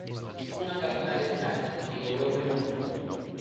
Unha capital estraña, en Europa e no mundo.